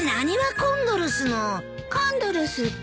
コンドルスって？